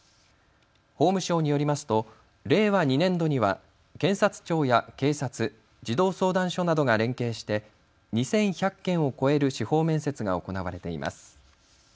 法務省によりますと令和２年度には検察庁や警察、児童相談所などが連携して２１００件を超える司法面接が行われています。